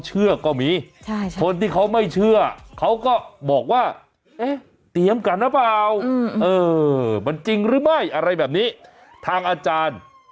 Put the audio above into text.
ฮ่าฮ่าฮ่าฮ่าฮ่าฮ่าฮ่าฮ่าฮ่าฮ่าฮ่าฮ่าฮ่าฮ่า